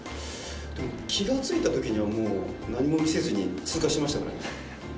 でも気が付いたときにはもう何も見せずに通過してましたから。